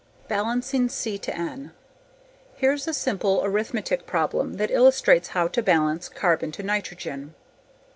Balancing C/N Here's a simple arithmetic problem that illustrates how to balance carbon to nitrogen.